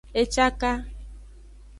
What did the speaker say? E caka.